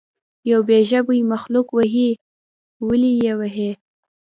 یو بې ژبې مخلوق وهئ ولې یې وهئ.